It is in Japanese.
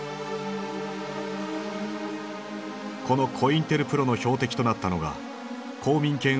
このコインテルプロの標的となったのが公民権運動のリーダー